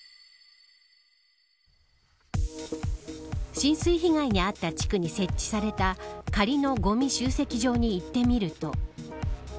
浸水被害にあった地区に設置された仮のごみ集積場に行ってみると。